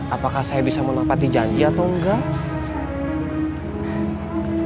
apakah saya bisa menepati janji atau enggak